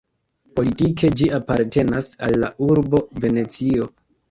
Politike ĝi apartenas al la urbo Venecio.